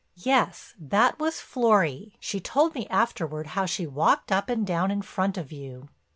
"Yes, that was Florry. She told me afterward how she walked up and down in front of you."